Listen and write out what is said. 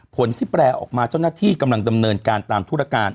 ผลที่แปลออกมาเจ้าหน้าที่กำลังดำเนินการตามธุรการ